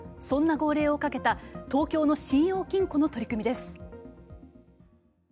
そんな号令をかけた東京の信用金庫の取り組みです。